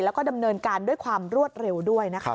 แล้วก็ดำเนินการด้วยความรวดเร็วด้วยนะคะ